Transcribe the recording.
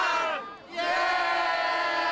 イエーイ！